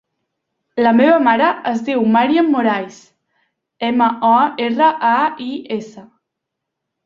La meva mare es diu Màriam Morais: ema, o, erra, a, i, essa.